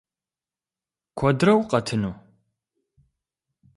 Куэдрэ укъэтыну?